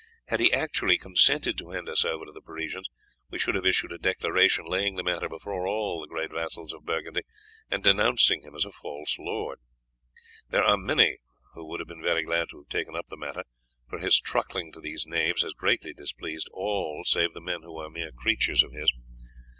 Had he actually consented to hand us over to the Parisians, we should have issued a declaration laying the matter before all the great vassals of Burgundy and denouncing him as a false lord. There are many who would have been very glad to have taken up the matter, for his truckling to these knaves has greatly displeased all save the men who are mere creatures of his.